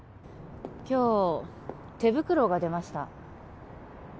今日手袋が出ました